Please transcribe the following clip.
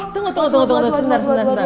tunggu tunggu tunggu sebentar sebentar